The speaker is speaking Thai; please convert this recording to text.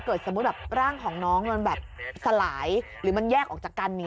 หากร่างของน้องสลายหรือแยกออกจากกัน